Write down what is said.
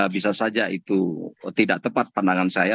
bisa saja itu tidak tepat pandangan saya